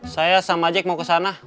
saya sama ajek mau kesana